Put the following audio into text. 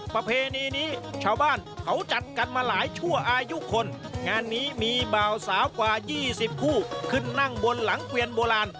ประเพณีนี้ชาวบ้านเขาจัดกันมาหลายชั่วอายุคนงานนี้มีบ่าวสาวกว่า๒๐คู่ขึ้นนั่งบนหลังเกวียนโบราณ